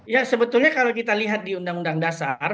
ya sebetulnya kalau kita lihat di undang undang dasar